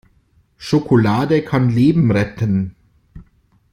Schokolade kann Leben retten!